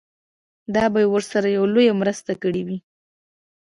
دا به يې ورسره يوه لويه مرسته کړې وي.